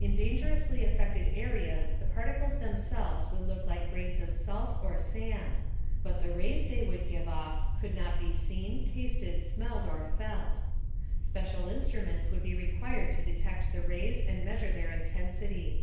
In dangerously affected areas the particles themselves would look like grains of salt or sand; but the rays they would give off could not be seen, tasted, smelled or felt. Special instruments would be required to detect the rays and measure their intensity.